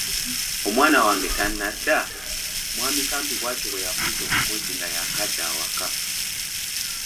“Omwana wange tannadda? ” mwami Kampi bw’atyo bwe yabuuza omukozi nga yaakadda awaka.